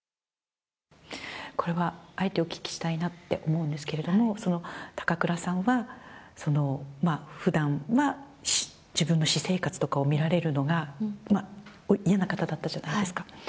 これはあえてお聞きしたいなって思うんですけれども、高倉さんはふだんは自分の私生活とかを見られるのが、嫌な方だったじゃないですか。